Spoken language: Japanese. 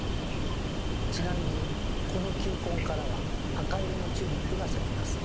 ちなみにこの球根からは赤色のチューリップが咲きます。